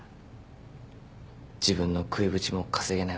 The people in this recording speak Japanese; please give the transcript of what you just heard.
自分の食いぶちも稼げない上に。